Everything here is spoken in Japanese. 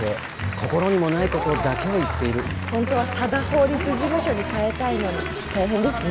心にもないことだけを言っている本当は「佐田法律事務所」に変えたいのに大変ですね